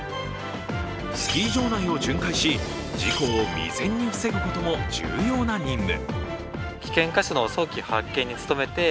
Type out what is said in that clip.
スキー場内を巡回し事故を未然に防ぐことも重要な任務。